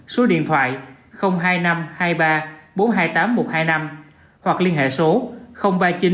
số điện thoại hai nghìn năm trăm hai mươi ba bốn trăm hai mươi tám nghìn một trăm hai mươi năm hoặc liên hệ số ba mươi chín bảy trăm ba mươi bảy sáu nghìn bốn trăm năm mươi năm